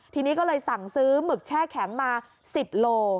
ทีนี้ก็เลยสั่งซื้อหมึกแช่แข็งมา๑๐โล